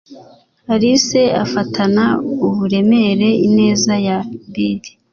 alice afatana uburemere ineza ya bill